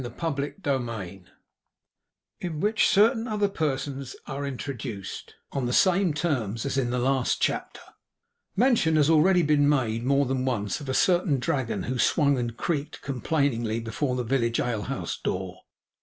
CHAPTER THREE IN WHICH CERTAIN OTHER PERSONS ARE INTRODUCED; ON THE SAME TERMS AS IN THE LAST CHAPTER Mention has been already made more than once, of a certain Dragon who swung and creaked complainingly before the village alehouse door.